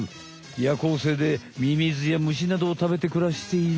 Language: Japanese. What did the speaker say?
夜行性でミミズや虫などを食べてくらしている。